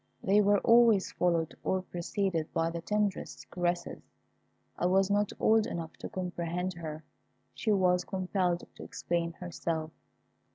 They were always followed or preceded by the tenderest caresses. I was not old enough to comprehend her. She was compelled to explain herself.